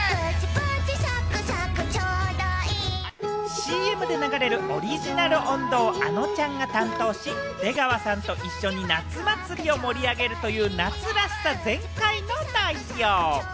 ＣＭで流れるオリジナル音頭をあのちゃんが担当し、出川さんと一緒に夏祭りを盛り上げるという夏らしさ全開の内容。